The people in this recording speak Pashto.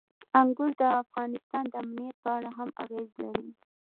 انګور د افغانستان د امنیت په اړه هم اغېز لري.